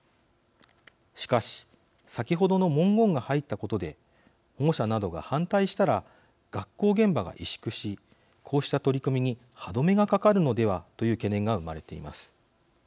しかし、先ほどの文言が入ったことで保護者などが反対したら学校現場が萎縮しこうした取り組みに歯止めがかかるのではという懸念が生まれています。